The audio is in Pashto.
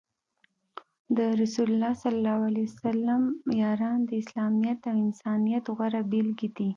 د رسول الله ص یاران د اسلامیت او انسانیت غوره بیلګې دي.